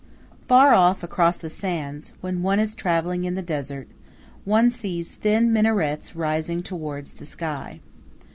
Far off across the sands, when one is traveling in the desert, one sees thin minarets rising toward the sky.